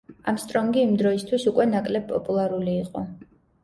არმსტრონგი იმ დროისთვის უკვე ნაკლებ პოპულარული იყო.